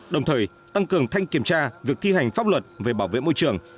đồng thời tăng cường thanh kiểm tra việc thi hành pháp luật về bảo vệ môi trường